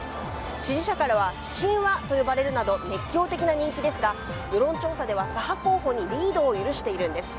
支持者からは神話！と呼ばれるなど熱狂的な人気ですが世論調査では左派候補にリードを許しているんです。